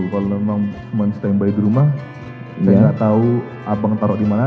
kalau memang stand by di rumah saya tidak tahu apa yang di taruh di mana